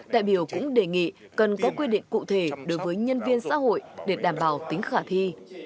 đại biểu cũng đề nghị cần có quy định cụ thể đối với nhân viên xã hội để đảm bảo tính khả thi